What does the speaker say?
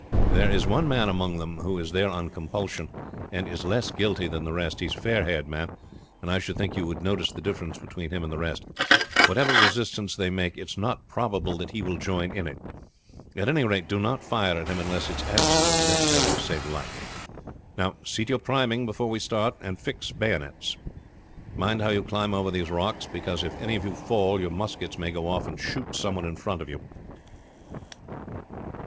There is one man among them who is there on compulsion, and is less guilty than the rest. He is a fair haired man, and I should think you would notice the difference between him and the rest. Whatever resistance they make it is not probable that he will join in it. At any rate, do not fire at him unless it is absolutely necessary to save life. Now see to your priming before we start, and fix bayonets. Mind how you climb over these rocks, because if any of you fall your muskets may go off and shoot some one in front of you.